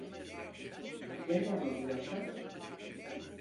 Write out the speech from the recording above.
Ya yanılıyorsan?